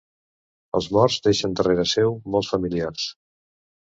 Els morts deixen darrere seu molts familiars.